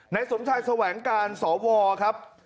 ไหนสมชัยแสวงการสว่าครับ